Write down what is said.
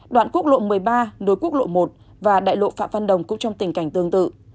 đoạn quốc lộ một mươi ba nối quốc lộ một và đại lộ phạm văn đồng cũng trong tình cảnh tương tự